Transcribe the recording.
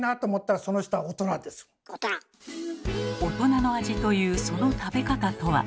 大人の味というその食べ方とは。